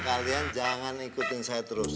kalian jangan ikutin saya terus